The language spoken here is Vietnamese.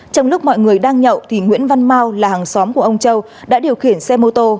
trong lúc mọi người đang nhậu thì nguyễn văn mau là hàng xóm của ông châu đã điều khiển xe mô tô